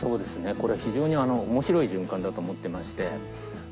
これは非常に面白い循環だと思ってまして。